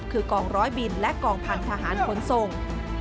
คือกองร้อยบินและกองพันธหารขนส่ง